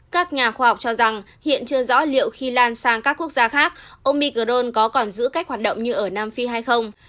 các nhà khoa học cho rằng hiện chưa rõ liệu khi lan sang các quốc gia khác omicron có còn giữ cách hoạt động như ở nam phi hay không